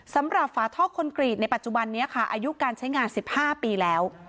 ฝาท่อคอนกรีตในปัจจุบันนี้ค่ะอายุการใช้งาน๑๕ปีแล้ว